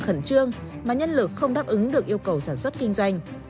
khẩn trương mà nhân lực không đáp ứng được yêu cầu sản xuất kinh doanh